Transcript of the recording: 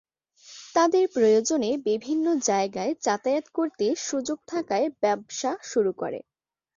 তাদের প্রয়োজনে বিভিন্ন জায়গায় যাতায়াত করতে সুযোগ থাকায় ব্যবসা শুরু করে।